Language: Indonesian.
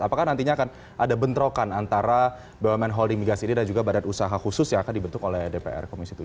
apakah nantinya akan ada bentrokan antara bumn holding migas ini dan juga badan usaha khusus yang akan dibentuk oleh dpr komisi tujuh